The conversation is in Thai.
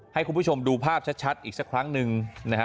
ให้คุณผู้ชมดูภาพชัดอีกสักครั้งหนึ่งนะฮะ